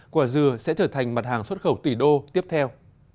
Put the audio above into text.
quả dừa sẽ trở thành mặt hàng xuất khẩu tỷ đô tiếp theo